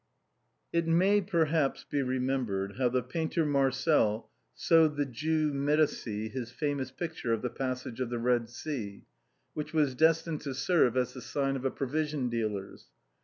It may, perhaps, be remembered how the painter Marcel sold the Jew Medicis his famous picture of "The Passage of the Eed Sea," which was destined to serve as the sign of a provision dealer's.